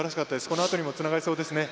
このあとにもつながりそうですね。